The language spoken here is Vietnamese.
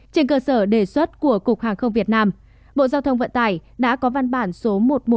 trên cơ sở đề xuất của cục hàng không việt nam bộ giao thông vận tải đã có văn bản số một nghìn một trăm hai mươi chín